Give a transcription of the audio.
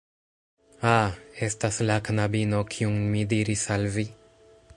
Ah, estas la knabino kiun mi diris al vi